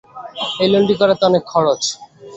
এই লন্ড্রি করাতে অনেক খরচ।